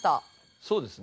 そうですね。